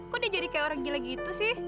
kok dia jadi kayak orang gila gitu sih